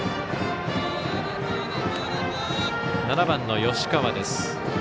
７番の吉川です。